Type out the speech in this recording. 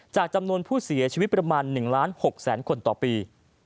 จากจำนวนผู้เสียชีวิตประมาณ๑๖๐๐๐๐๐คนต่อปี